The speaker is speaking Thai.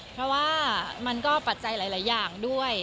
เพราะว่ามันก็ปัจจัยหลายอย่างด้วย